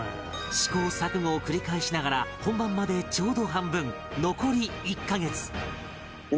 試行錯誤を繰り返しながら本番までちょうど半分残り１カ月